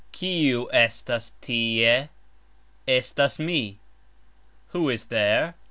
Kiu estas tie? Estas mi. Who is there?